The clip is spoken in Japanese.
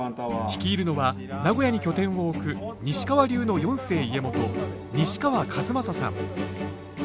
率いるのは名古屋に拠点を置く西川流の四世家元西川千雅さん。